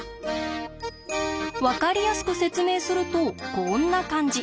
分かりやすく説明するとこんな感じ。